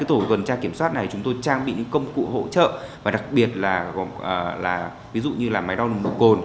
tổ tuần tra kiểm soát này chúng tôi trang bị những công cụ hỗ trợ và đặc biệt là ví dụ như là máy đo nồng độ cồn